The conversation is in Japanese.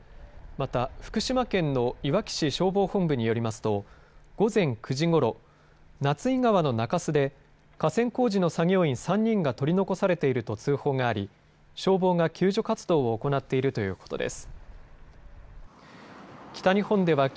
また福島県のいわき市消防本部によりますと午前９時ごろ、夏井川の中州で河川工事の作業員３人が取り残されていると通報があり消防が救助活動を行っているということです。